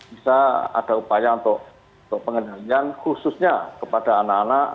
bisa ada upaya untuk pengendalian khususnya kepada anak anak